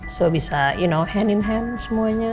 semua bisa you know hand in hand semuanya